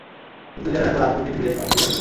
কিন্তু জেনে রাখো রাসপুটিন বেশ অপ্রতিরোধ্য!